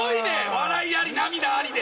笑いあり涙ありで！